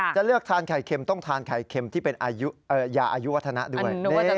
จะเลือกทานไข่เค็มต้องทานไข่เค็มที่เป็นยาอายุวัฒนะด้วย